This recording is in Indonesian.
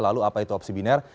lalu apa itu opsi binar